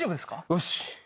よし。